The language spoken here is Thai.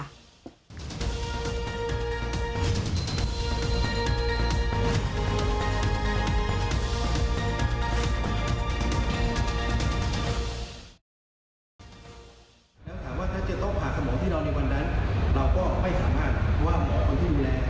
ถ้าถักแตกปากสมองที่เราในวันทั้งเราก็ไม่สามารถว่าหมอคนที่ดูแล